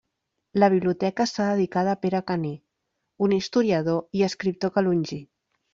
La biblioteca està dedicada a Pere Caner, un historiador i escriptor calongí.